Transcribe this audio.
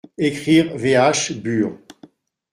Ecrire VH, bur.